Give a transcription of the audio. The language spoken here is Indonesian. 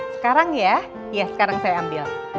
sekarang ya sekarang saya ambil